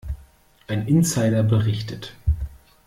Ein Insider berichtet.